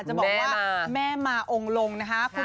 จะบอกว่าแม่มาองค์ลงนะคะ